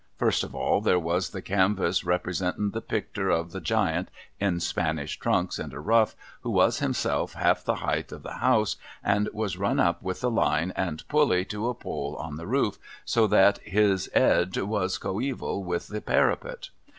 First of all, there was the canvass, representin the picter of tlie Giant, in Spanish trunks and a ruff, who was himself half the heighth of the house, and was run up with a line and pulley to a pole on the roof, so that his Ed was coeval with the parapet.